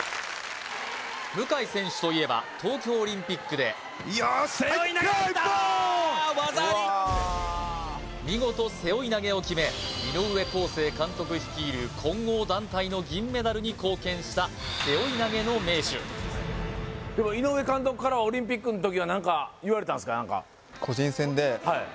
向選手といえば東京オリンピックで見事背負い投げを決め井上康生監督率いる混合団体の銀メダルに貢献した井上監督からはオリンピックの時は何か言われたんですか？